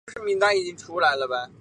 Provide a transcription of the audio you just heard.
中国春秋时期齐国的大夫。